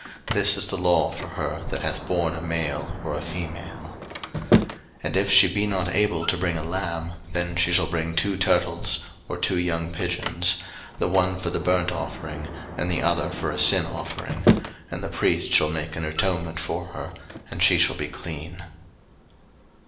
This is the law for her that hath born a male or a female. 03:012:008 And if she be not able to bring a lamb, then she shall bring two turtles, or two young pigeons; the one for the burnt offering, and the other for a sin offering: and the priest shall make an atonement for her, and she shall be clean.